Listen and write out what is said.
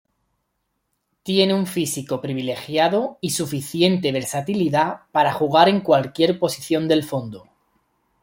Tiene un físico privilegiado y suficiente versatilidad para jugar en cualquier posición del fondo.